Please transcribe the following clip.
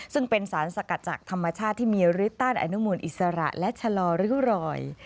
ซึ่งเป็นสารสกัดจากธรรมชาติที่มีริต้านอนุมูลอิสระและชะลอริ้วรอย